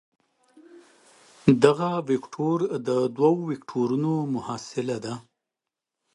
دغه وکتور د دوو وکتورونو محصله ده.